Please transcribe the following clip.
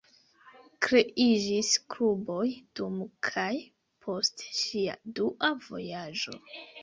Kreiĝis kluboj dum kaj post ŝia dua vojaĝo.